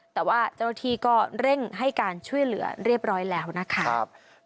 แต่ว่าเจ้าหน้าที่ก็เร่งให้การช่วยเหลือเรียบร้อยแล้วนะคะ